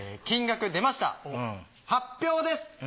金額出ました発表です。